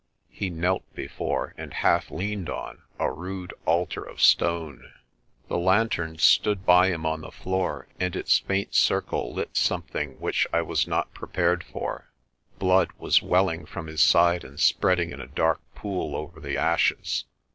He knelt before, and half leaned on, a rude altar of stone. LAST SIGHT OF LAPUTA 237 The lantern stood by him on the floor and its faint circle lit something which I was not unprepared for. Blood was welling from his side and spreading in a dark pool over the ashes.